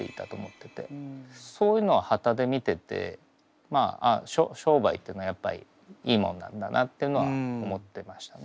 そういうのをはたで見てて商売っていうのはやっぱりいいもんなんだなっていうのは思ってましたね。